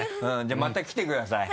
じゃあまた来てください。